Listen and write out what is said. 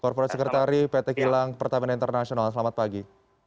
corporate secretary pt kilang pertama international selamat pagi